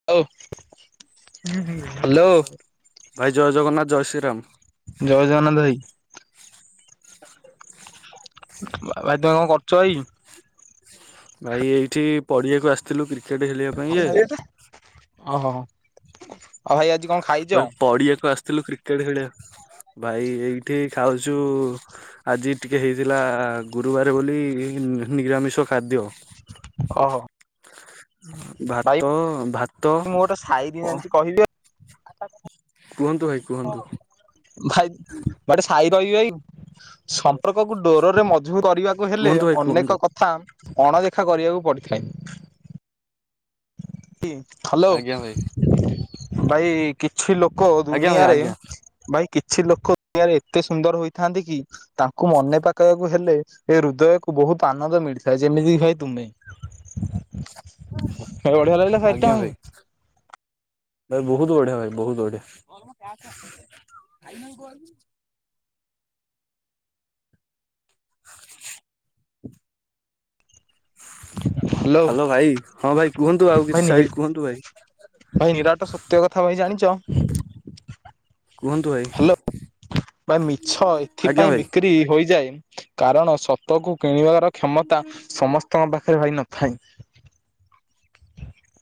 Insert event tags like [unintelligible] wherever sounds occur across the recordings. ହ ହ୍ୟାଲୋ ଭାଇ ଜୟ ଜଗନ୍ନାଥ ଜୟ ଶ୍ରୀରାମ। ଜୟ ଜଗନ୍ନାଥ ଭାଇ। ଭାଇ ତମେ କଣ କରଚ ଇ ଭାଇ ଏଇଠି ପଡିଆକୁ ଆସିଥିଲୁ କ୍ରିକେଟ ହେଲେଇଆକୁ ଓହୋ ଭାଇ ଆଜି କଣ ଖାଇଛ? ପଡିଆକୁ ଆସିଥିଲୁ କ୍ରିକେଟ ଖେଳିବା କୁ ଭାଇ ଏଇଠି ଖାଉଚୁ ଆଜି ଟିକିେ ହେଇଥିଲା ଗୁରୁବାର ବୋଲି ନିରାମିଷ ଖାଦ୍ୟ ଓହୋ ଭାଇ ଭାତ ଭାତ୍ ମୁଁ ଗୋଟେ ସାଇରି ଜାଣିଛି କହିବି। କୁହନ୍ତୁ ଭାଇ କୁହନ୍ତୁ ଭାଇ ଗୋଟେ ସାଇ ରହିବି ଭାଇ ସମ୍ପର୍କକୁ ଡୋରରେ ମଜବୁତ କରିବାକୁ ହେଲେ କୁହନ୍ତୁ ଭାଇ କୁହନ୍ତୁ ଅନେକ କଥ ଅଣଦେଖା କରିବାକୁ ପଡିଥାଏ। କି ହ୍ୟାଲୋ ଆଜ୍ଞା ଭାଇ ଭାଇ। କିଛି ଲୋକ ଆଜ୍ଞା ଭାଇ ଦୁନିଆରେ ଆଜ୍ଞା ଭାଇ କିଛି ଲୋକ ଦୁନିଆରେ ଏତେ ସୁନ୍ଦର ହୋଇଥାନ୍ତି କି? ତାଙ୍କୁ ମନେ ପକେଇବାକୁ ହେଲେ ଏ ହୃଦୟକୁ ବହୁତ ଆନନ୍ଦ ମିଳିଥାଏ। ଯେମିତି ଭାଇ ତୁମେ ହ ଆଜ୍ଞା ଭାଇ ଭାଇ ବହୁତ ବଢିଆ, ଭାଇ ବହୁତ ବଢ଼ିଆ [inaudible] [inaudible] ହ୍ୟାଲୋ ଭାଇ ହଁ ଭାଇ କୁହନ୍ତୁ ଆଉ କିଛି ଭାଇ ସାଏରି କୁହନ୍ତୁ ଭାଇ ଭାଇ ନିରାଟ ସତ୍ୟ କଥା ଭାଇ ଜାଣିଛ। କୁହନ୍ତୁ ଭାଇ ହ୍ୟାଲୋ ଭାଇ ମିଛ ଆଜ୍ଞା ଏଥିପାଇଁ ଭାଇ ବିକ୍ରି ହୋଇଯାଏ। କାରଣ ସ ତ କୁ କିଣିବାର କ୍ଷମତା ସମସ୍ତ ତମ ପାଖରେ ଭାଇ ନଥାଏ।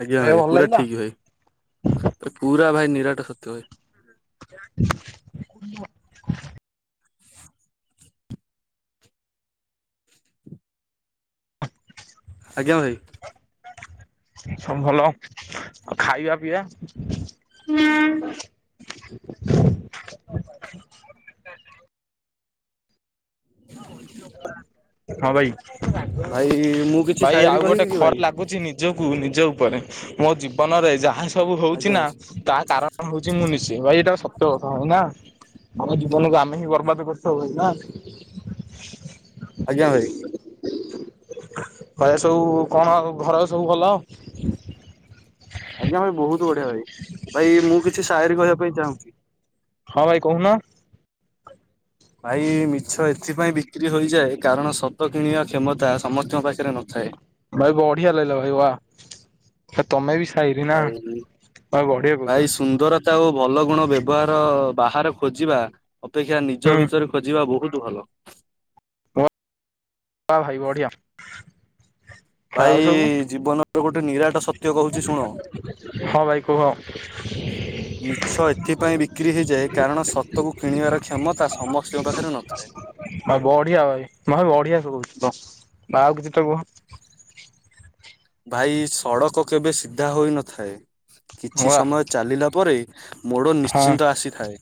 ଆଜ୍ଞା ଭାଇ ଭଲ ପୁରା ଲାଗିଲା ଠିକ୍, ଭାଇ ପୁରା ଭାଇ ନିରାଟା ସତ୍ୟ ହୁଏ। [inaudible] [inaudible] ଆଜ୍ଞା ଭାଇ। ସବୁ ଭଲ ଆଉ ଖାଇବା ପିଇବା। ହଁ ଭାଇ ଭାଇ ମୁଁ କିଛି ଭାଇ ସାଏରୀ ଆଉ ଗୋଟେ କହିବି କି ଖର ଭାଇ? ଲାଗୁଚିନି। ନିଜକୁ ନିଜ ଉପରେ ମୋ ଜୀବନରେ ଯାହା ସବୁ ହୋଉଚି ଆଜ୍ଞା ନା ଭାଇ ତା କାରଣ ହୋଉଚି ମୁଁ ନିଜେ। ସେ ଭାଇ ଏଇଟା ସତ୍ୟ କଥା ନାଁ ଆମ ଜୀବନକୁ ଆମେ ହିଁ ବର୍ବାଦ କରିଥାଉ ଭାଇ ନାଁ। ଆଜ୍ଞା ଭାଇ। କହିବା ସବୁ କଣ ଆଉ ଘର ସବୁ ଭଲ? ଆଜ୍ଞା ଭାଇ ବହୁତ୍ ବଢିଆ ଭାଇ। ଭାଇ ମୁଁ କିଛି ସାଏରି କହିବା ପାଇଁ ଚାହୁଁଛି। ହଁ ଭାଇ କହୁନ। ଭାଇ ମିଛ ଏଥିପାଇଁ ବିକ୍ରି ହୋଇଯାଏ କାରଣ ସତ କିଣିବା କ୍ଷମତା ସମସ୍ତଙ୍କ ପାଖରେ ନଥାଏ। ଭାଇ ବଢିଆ ଲାଗିଲା ଭାଇ ବା। ତମେ ବି ସାଇରି ନା ଭାଇ ତମେ ବଢଆ ଭାଇ କହୁଛ। ସୁନ୍ଦରତା ଓ ଭଲ ଗୁଣ ବ୍ୟବହାର ବାହାରେ ଖୋଜିବା ଅପେକ୍ଷା ନିଜ ହୁଁ ଭିତରେ ଯିବା ବହୁତ୍ ଭଲ। ବା ଭାଇ ବଢିଆ। ଭାଇ ଆଉ ସବୁ ଜୀବନର ଗୋଟେ ନିରାଟ ସତ ହଁ ଭାଇ କୁହ। ମିଛ ଏଥିପାଇଁ ବିକ୍ରି ହେଇଯାଏ କାରଣ ସତକୁ କିଣିବାର କ୍ଷମତା ସମସ୍ତିଙ୍କ ପାଖରେ ନଥାଏ। ଭାଇ ବଢିଆ ଭାଇ ଭାଇ ବଢିଆ ସବୁ ତ ଆଉ କିଛିତ କୁହ। ଭାଇ ସଡ଼କ କେବେ ସିଧା ହୋଇ ନଥାଏ ୱା ହଁ କିଛି ୱା ସମୟ ଚାଲିଲା ପରେ ମୋଡ ଭାଇ ନିଶ୍ଚିନ୍ତ ଆସିଥାଏ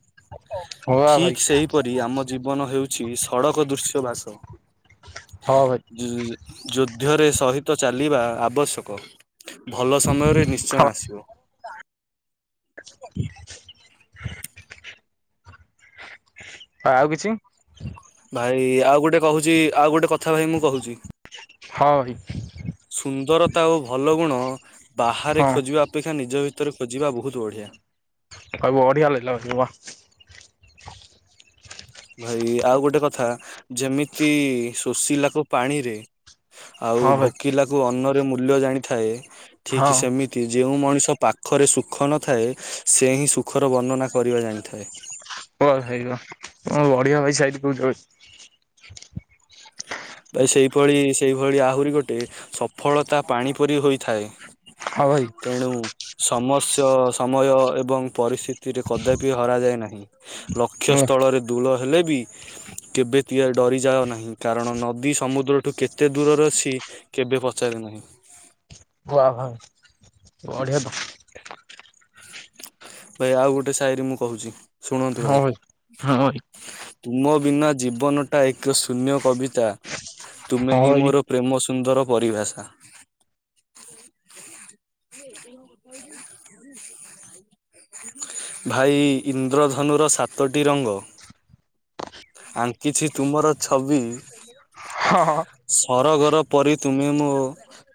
ହଁ ଭାଇ ଠିକ୍ ସେହିପରି ଆମ ଜୀବନ ହେଉଛି ସଡ଼କ ଦୃଶ୍ୟ ବାସ। ଯୁଧ୍ୟରେ ସହିତ ଚାଲିବା ଆବଶ୍ୟକ ଭଲ ସମୟରେ ନିଶ୍ଚୟ ହଁ ଆସିବ। ଆଉ କିଛି। ଭାଇ ଆଉ ଗୋଟେ କହୁଛି। ଆଉ ଗୋଟେ କଥା ଭାଇ ମୁଁ କହୁଛି। ସରି। ସୁନ୍ଦରତା ଓ ଭଲ ଗୁଣ ବାହାରେ ହଁ ଖୋଜିବା ଅପେକ୍ଷା ନିଜ ଭିତରେ ଖୋଜିବା ବହୁତ ବଢିଆ। ଆଉ ବଢିଆ ଲାଗିଲା ଭାଇ ବା। ଭାଇ ଆଉ ଗୋଟେ କଥା ଯେମିତି ଶୋଷିଲାକୁ ପାଣିରେ ଆଉ ହଁ ଭାଇ ଭୋକିଲାକୁ ଅନ୍ନରେ ମୂଲ୍ୟ ଜାଣିଥାଏ ଠିକ୍ ହଁ ୱା ସେମିତି କି ଯେଉଁ ମଣିଷ ପାଖରେ ସୁଖ ନଥାଏ ସେ ହିଁ ସୁଖର ବର୍ଣ୍ଣନା କରିବା ଜାଣିଥାଏ। ବା ଭାଇ ବା କଣ ବଢିଆ ଭାଇ ସାଇରୀ କହୁଚ ଭାଇ। ଭାଇ ସେଇଭଳି ସେଇଭଳି ଆହୁରି ଗୋଟେ ସଫଳତା ପାଣି ପରି ହୋଇଥାଏ। ହଁ ଭାଇ ତେଣୁ ସମସ୍ୟ ସମୟ ଏବଂ ପରିସ୍ଥିତିରେ କଦାପି ହରାଯାଏ ନାହିଁ। ୱା ଲକ୍ଷ୍ୟସ୍ଥଳରେ ଦୂଲ ହେଲେ ବି କେବେ ବି ଡରିଯାଅ ନାହିଁ କାରଣ ନ ନଦୀ ସମୁଦ୍ରଠୁ କେତେ ଦୂରରେ ଅଛି କେବେ ପଚାରିନି। ୱା ୱା ବଢିଆ ତ। ଭାଇ ଆଉ ଗୋଟେ ସାଇରୀ ମୁଁ କହୁଚି ଶୁଣନ୍ତୁ ଭାଇ। ହଁ ଭାଇ ତୁମ ବିନା ଜୀବନ ଟା ଏକ ଶୂନ୍ୟ କବିତା ତୁମେ ହଁ ହିଁ ଭାଇ ମୋର ପ୍ରେମ ସୁନ୍ଦର ପରିଭାଷା। ଭାଇ ଇନ୍ଦ୍ରଧନୁ ର ସାତଟି ରଙ୍ଗ। ଆଙ୍କିଛି ତୁମର ଛବି ହଁ- ଅ। ସରଗ ର ପରି ତୁମେ ମୋ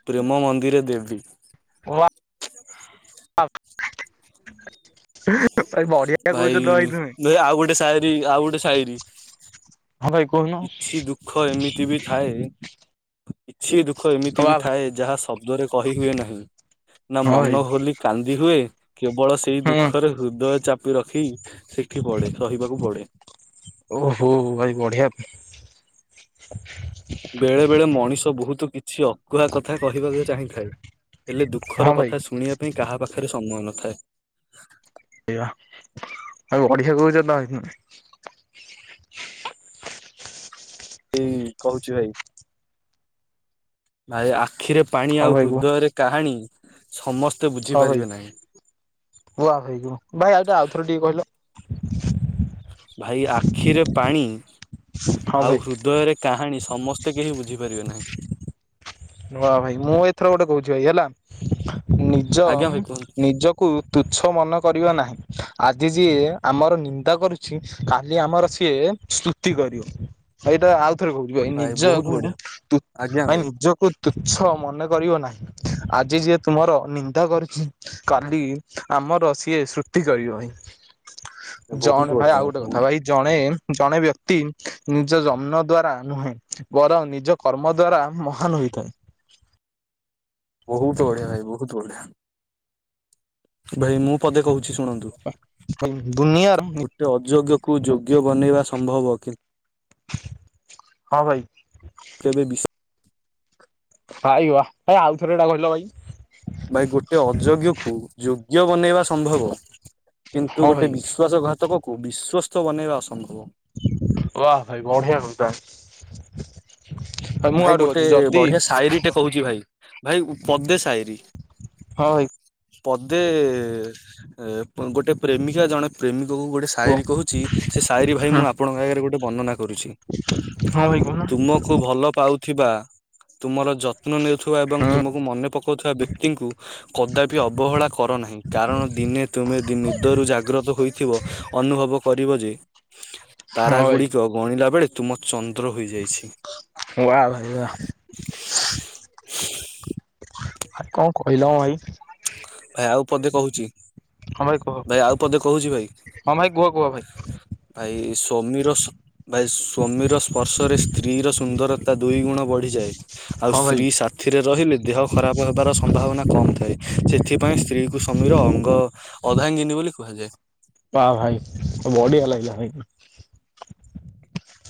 ପ୍ରେମ ମନ୍ଦିରେ ଦେବୀ। [inaudible] [inaudible] ଭାଇ ବଢିଆ କହୁଛ ତ ଭାଇ- ତୁମେ ଭାଇ ଆଉ ଗୋଟେ ସାଏରୀ ଆଉ ଗୋଟେ ସାଏରୀ। ହଁ ଭାଇ କହୁନୁ। କିଛି ଦୁଃଖ ଏମିତି ବି ଥାଏ କିଛି ଦୁଃଖ ୱା ଏମିତି ବି ଭାଇ ଥାଏ ଯାହା ଶବ୍ଦରେ କହିହୁଏ ନାହିଁ। ନା ହଁ ଭାଇ ମନ ଖୋଲି କାନ୍ଦି ହୁଏ କେବଳ ସେଇ ହୁଁ ଦୁଃଖରେ ହୃଦୟ ଚାପି ରଖି ସେଠି ପଡେ ସହିବାକୁ ପଡେ। ଓ ହୋ ହୋ ଭାଇ ବଢିଆ [inaudible] ବେଳେ ବେଳେ ମଣିଷ ବହୁତୁ କିଛି ଅ ଅକୁହା କଥା କହିବାକୁ ଚାହିଁଥାଏ ହେଲେ ହଁ ଦୁଃଖର ଭାଇ କଥା ଶୁଣିବା ପାଇଁ କାହା ପାଖରେ ସମୟ ନଥାଏ। ଏଇ ବା ଆଉ ବଢିଆ କହୁଚ ତମେ। ଏଇ କହୁଚି ଭାଇ- ଭାଇ ଆଖିରେ ପାଣି ହଁ ଆଉ ଭାଇ କୁହ ହୃଦୟରେ କାହାଣୀ ସମସ୍ତେ ବୁଝିପାରିବେ ନାହିଁ। ୱାଓ ଭାଇ ୱା ଭାଇ ଆଉ- ଆଉଥରେ ଟିକେ କହିଲ। ଭାଇ ଆଖିରେ ପାଣି ହଁ ଆଉ ଭାଇ। ହୃଦୟରେ କାହାଣୀ ସମସ୍ତେ କେହି ବୁଝିପାରିବେ ନାହିଁ। ୱା ଭାଇ ମୁଁ ଏଥର ଗୋଟେ କହୁଚି ଭାଇ ହେଲା ଆଜ୍ଞା ନିଜମ୍- ଭାଇ କୁହନ୍ତୁ ନିଜ କୁ ତୁଚ୍ଛ ମନ କରିବା ନାହିଁ ଆଜି ଯିଏ ଆମର ନିନ୍ଦା କରୁଚି କାଲି ଆମର ସିଏ ସ୍ତୁତି କରିବ ଭାଇ ଏଇଟା ଆଉ [inaudible] ଭାଇ ବହୁତ ନିଜକୁ ବଢିଆ ତୁ- ଭାଇ ନିଜକୁ ତୁଚ୍ଛ ମନେ କରିବ ନାହିଁ ଆଜି ଯିଏ ତୁମର ନିନ୍ଦା କରିଚି କାଲି ଆମର ସିଏ ସୃତି କରିବ ହିଁ। ବହୁତ ଜଣ ଭାଇ ବଢିଆ ଆଉ ଗୋଟେ କଥା ଭାଇ ଜଣେ- ଜଣେ ବ୍ୟକ୍ତି ନିଜ ଜନ୍ମ ଦ୍ଵାରା ନୁହେଁ ବରଂ ନିଜ କର୍ମ ଦ୍ୱାରା ମହାନ୍ ହୋଇଥାଏ। ବହୁତ୍ ବଢିଆ ଭାଇ ବହୁତ୍ ବଢିଆ। ଭାଇ ମୁଁ ପଦେ କହୁଚି ଶୁଣନ୍ତୁ। [inaudible] ଦୁନିଆର ନୀତ ଗୋଟେ ଅଯୋଗ୍ୟକୁ ଯୋଗ୍ୟ ବନେଇବା ସମ୍ଭବ କି। ହଁ ଭାଇ। କେବେ ବିଶ୍ ଭାଇ ୱା ଭାଇ ଆଉଥରେ ହେଟା କହିଲ ଭାଇ। ଭାଇ ଗୋଟେ ଅଯୋଗ୍ୟକୁ ଯୋଗ୍ୟ ବନେଇବା ସମ୍ଭବ କିନ୍ତୁ ହଁ ଗୋଟେ ଭାଇ ବିଶ୍ଵାସ ଘାତକକୁ ବିଶ୍ଵସ୍ତ ବନେଇବା ଅସମ୍ଭବ। ୱା ଭାଇ ବଢିଆ ଘଣ୍ଟା ଭାଇ ଗୋଟେ ବଢିଆ ସାଏରୀ ଟେ କହୁଚି ଭାଇ ଭାଇ ପଦେ ସାଏରୀ। ହଁ ଭାଇ। ପଦେ ଏ- ଗୋଟେ ପ୍ରେମିକା ଜଣେ ପ୍ରେମିକ କୁ ଗୋଟେ କୁହ ସାଏରୀ କହୁଚି ସେ ସାଏରୀ ଭାଇ ହଁ ମୁଁ ଆପଣଙ୍କ ଆଗରେ ଗୋଟେ ବର୍ଣ୍ଣନା କରୁଚି ହଁ ଭାଇ କହୁନ ତୁମକୁ ଭଲ ପାଉଥିବା ତୁମର ଯତ୍ନ ନେଉଥିବା ଏବଂ ହୁଁ ତୁମକୁ ମନେ ପକାଉଥିବା ବ୍ୟକ୍ତିଙ୍କୁ କଦାପି ଅବହେଳା କର ନାହିଁ କାରଣ ଦିନେ ତୁମେ ନି ନିଦରୁ ଜାଗ୍ରତ ହୋଇ ଥିବ ଅନୁଭବ କରିବଯେ ହଁ ଭାଇ ତାରାଗୁଡ଼ିକ ଗଣିଲା ବେଳେ ତୁମ ଚନ୍ଦ୍ର ହୋଇଯାଇଛି। ୱା ଭାଇ ୱା କଁ କଇଁଲ ଭାଇ ଭାଇ ଆଉ ପଦେ କହୁଚି ହଁ କୁହ ଭାଇ ଆଉ ପଦେ କହୁଚି ଭାଇ? ହଁ ଭାଇ କୁହ କୁହ ଭାଇ। ଭାଇ ସ୍ଵମୀର ଭାଇ ସ୍ଵମୀର ସ୍ପର୍ଶରେ ସ୍ତ୍ରୀର ସୁନ୍ଦରତା ଦୁଇ ଗୁଣ ବଢିଯାଏ ଆଉ ହଁ ଭାଇ ସ୍ତ୍ରୀ ସାଥିରେ ରହିଲେ ଦେହ ଖରାପ୍ ହେବାର ସମ୍ଭାବନା କମ୍ ଥାଏ। ସେଥିପାଇଁ ସ୍ତ୍ରୀକୁ ସ୍ୱାମୀର ଅଙ୍ଗ ଅର୍ଧାଙ୍ଗିନୀ ବୋଲି କୁହାଯାଏ। ବା ଭାଇ ବଢ଼ିଆ ଲାଗିଲା ଭାଇ।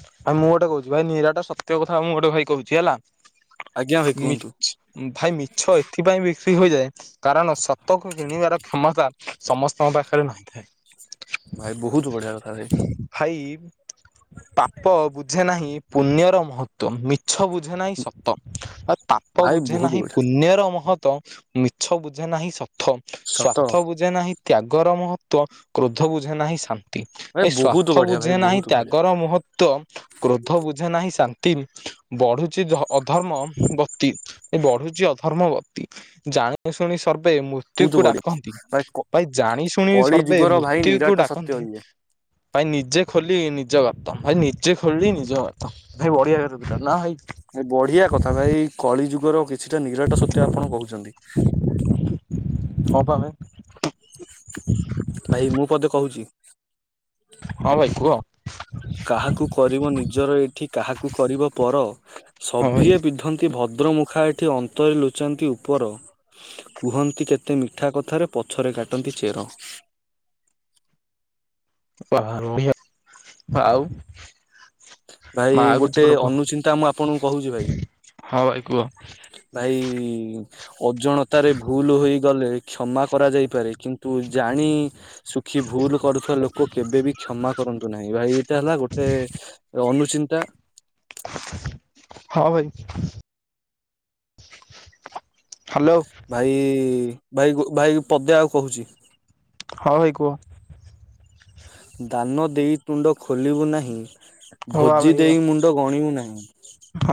ଆଉ ମୁଁ ଗୋଟେ କହୁଚି ଭାଇ ନିରାଟା ସତ୍ୟ କଥା ମୁଁ ଗୋଟେ ଭାଇ କହୁଚି ହେଲା ଆଜ୍ଞା ଭାଇ ନି କୁହନ୍ତୁ ଭାଇ ମିଛ ଏଥିପାଇଁ ବିକ୍ରି ହୋଇଯାଏ କାରଣ ସତକୁ କିଣିବାର କ୍ଷମତା ସମସ୍ତଙ୍କ ପାଖରେ ନଥାଏ। ଭାଇ ବହୁତ୍ ବଢ଼ିଆ କଥା ଭାଇ। ଭାଇ ପା ବୁଝେ ନାହିଁ ପୁଣ୍ୟର ମହତ୍ଵ ମିଛ ବୁଝେ ନାହିଁ ସତ ଆ ତା ପାପ ଭାଇ ବୁଝେ ବହୁତ ନାହିଁ ବଢିଆ। ପୁଣ୍ୟର ମହତ ମିଛ ବୁଝେନାହିଁ ସ ର୍ଥ ସତ ସ୍ଵାର୍ଥ ବୁଝେ ନାହିଁ ତ୍ୟାଗର ମହତ୍ୱ କ୍ରୋଧ ବୁଝେ ନାହିଁ ଶା ନ୍ତି ଭାଇ ବହୁତ ସ୍ଵାର୍ଥ ବଢିଆ ଭାଇ ବୁଝେନାହିଁ ବହୁତ ବଢିଆ ତ୍ୟାଗର ମହ ମହତ୍ୱ କ୍ରୋଧ ବୁଝେ ନାହିଁ ଶାନ୍ତି ବଢ଼ୁଛି ଧ ଅଧର୍ମ ବତି ଏ ବଢୁଛି ଅଧର୍ମବତୀ ଜାଣି ଶୁଣି ସର୍ବେ ମୁ ବହୁତ ମୁତ୍ୟୁକୁ ବଢିଆ ଡାକନ୍ତି ଭାଇ ଜାଣି ଶୁଣି କଳି ସର୍ବେ ଯୁଗର ଭାଇ ନିରାଟ ମୁତ୍ୟୁକୁ ସତ୍ୟ ଡାକନ୍ତି ଇଏ। ଭାଇ ନିଜେ ଖୋଲି ନିଜ ଗାତ ଭାଇ ନିଜେ ଖୋଲି ନିଜ ଗାତ ଭାଇ ବଢ଼ିଆ କଥା ଥିଲା ନାଁ ଭାଇ ବଢିଆ କଥା ଭାଇ କଳି ଯୁଗର କିଛିଟା ନିରାଟ ସତ୍ୟ ଆପଣ କହୁଚନ୍ତି। ହଁ ପା ଭାଇ। ଭାଇ ମୁଁ ପଦେ କହୁଚି? ହଁ ଭାଇ କୁହ? କାହାକୁ କରିବ ନିଜର ଏଇଠି କାହାକୁ କରିବ ପର ହଁ ଭାଇ ସଭିଏଁ ପିଧ ଭଦ୍ରମୁଖା ଏଠି ଅନ୍ତରେ ଲୁଚାନ୍ତି ଉପର କୁହନ୍ତି କେତେ ମିଠା କଥାରେ ପଛରେ କାଟନ୍ତି ଚେର। ବା ବଢ଼ିଆ ଆଉ ଭାଇ ଆଉ କିଛି ଗୋଟେ କୁହ ଅନୁଚିନ୍ତା ମୁଁ ଆପଣଙ୍କୁ କହୁଚି ଭାଇ? ହଁ ଭାଇ କୁହ ଭାଇ ଅଜାଣତାରେ ଭୁଲ ହୋଇଗଲେ କ୍ଷମା କରାଯାଇପାରେ କିନ୍ତୁ ଜାଣି ସୁଖୀ ଭୁଲ କରୁଥିବା ଲୋ ଲୋକ କେବେବି କ୍ଷମା କରନ୍ତୁ ନାହିଁ ଭାଇ ଏଇଟା ହେଲା ଗୋଟେ ଅନୁଚିନ୍ତା। ହଁ ଭାଇ। ହାଲୋ। ଭାଇ ଭାଇ ଭାଇ ପଦେ ଆଉ କହୁଚି। ହଁ ଭାଇ କୁହ। ଦାନ ଦେଇ ତୁଣ୍ଡ ଖୋଲିବୁ ନାହିଁ ହଁ ବା ଭୋଜି ଭାଇ ବା ଦେଇ ମୁ ଗଣିବୁ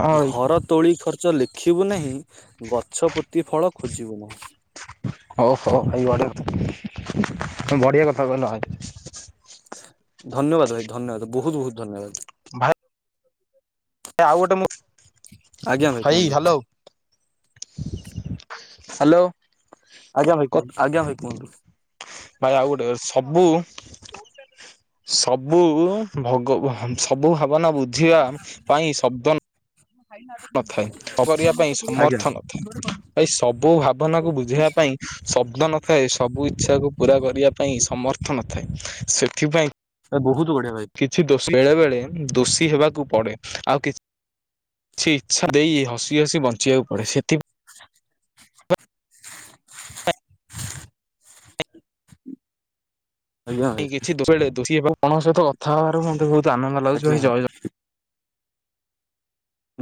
ହଁ ଭାଇ ଘର ତୋଳି ଖର୍ଚ୍ଚ ଲେଖିବୁ ନାହିଁ ଗଛ ପୋତି ଫଳ ଖୋଜିବୁ ନାହିଁ। ହଉ ହଉ ଏଇ ବଢ଼ଆ କଥା ବଢ଼ିଆ କଥା କହିଲ ଧନ୍ୟବାଦ ଭାଇ ଧନ୍ୟବାଦ ବହୁତ ବହୁତ ଧନ୍ୟବାଦ। ଭାଇ [unintelligible] ଆଉ ଗୋଟେ ମୁ ଆଜ୍ଞା ଭାଇ କୁହନ୍ତୁ ହ୍ୟାଲୋ। ହ୍ୟାଲୋ। ଆଜ୍ଞା ଭାଇ [inaudible] ଆଜ୍ଞା ଭାଇ କୁହନ୍ତୁ। ଭାଇ ଆଉ ଗୋଟେ ସବୁ ସବୁ ଭୋଗ ସବୁ ଭା ଭ ବୁଝିବା ପାଇଁ ଶବ୍ଦ ନଥାଏ କରିବା ପାଇଁ ଆଜ୍ଞା ସମର୍ଥ ନଥାଏ। ଭାଇ ସବୁ ଭାବନାକୁ ବୁଝେଇବା ପାଇଁ ଶବ୍ଦ ନଥାଏ। ସବୁ ଇଚ୍ଛା କୁ ପୁରା କରିବା ପାଇଁ ସମଥ ନଥାଏ ସେଥିପାଇଁ ଏ ବହୁତ ବଢିଆ ଭାଇ। କିଛି ଦୋଷୀ ବେଳେ ବେଳେ ଦୋଷୀ ହେବାକୁ ପଡେ। ଆଉ କିଛି କିଛି ଇଚ୍ଛା ଦେଇ ହସି ହସି ବଞ୍ଚିବାକୁ ପଡେ। ସେଥିପାଇଁ ଆଜ୍ଞା ଭାଇ [inaudible] ବହୁତ ଆନନ୍ଦ ଲାଗୁଛି ଭାଇ ଜୟ ଆଜ୍ଞା ଭାଇ ଜ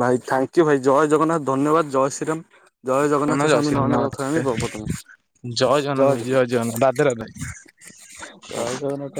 ଭାଇ ଥ୍ୟାଙ୍କୟୁ ଭାଇ ଜୟ ଜଗନ୍ନାଥ ଧନ୍ୟବାଦ ଜୟ ଶ୍ରୀରାମ। ଜୟ ଜଗନ୍ନାଥ ଜୟ ଶ୍ରୀ ସ୍ଵାମୀ ନନ ଧନ୍ୟବାଦ ରଥ [inaudible] ଜଗନ୍ନାଥ ଜୟ ଭାଇ ଜଗନ୍ନାଥ ରାଧେ ରାଧେ। ଜଗନ୍ନାଥ। [inaudible]